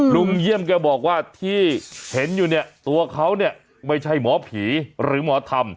ลุงเยี่ยมแกบอกว่าที่เห็นอยู่เนี่ยตัวเขาเนี่ยไม่ใช่หมอผีหรือหมอธรรม